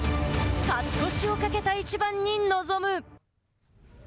勝ち越しをかけた一番に臨む。